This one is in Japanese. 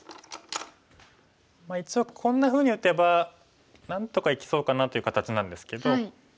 まあ一応こんなふうに打てばなんとか生きそうかなという形なんですけど。